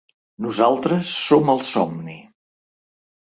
Nosaltres som el somni.